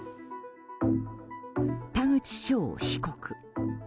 田口翔被告。